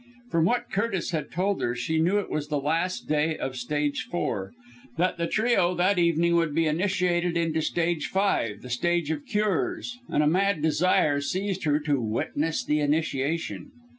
From what Curtis had told her she knew it was the last day of stage four, that the trio that evening would be initiated into stage five the Stage of Cures, and a mad desire seized her to witness the initiation.